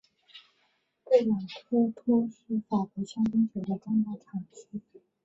布朗科托是法国香槟酒的重要产区。